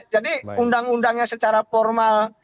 jadi undang undangnya secara formal